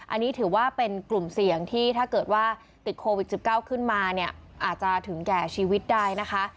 อันนี้ถือว่าเป็นกลุ่มเสี่ยงที่ถ้าเกิดว่าติดโควิด๑๙ขึ้นมาเนี่ยอาจจะถึงแก่ชีวิตได้นะคะ